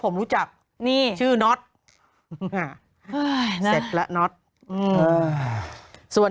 โหยวายโหยวายโหยวายโหยวายโหยวาย